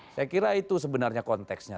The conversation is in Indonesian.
saya kira itu sebenarnya konteksnya